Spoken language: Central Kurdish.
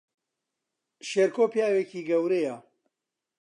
شێرکۆ پیاوێکی گەورەیە